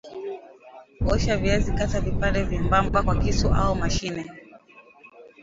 Osha viazi kata vipande vyembamba kwa kisu au mashine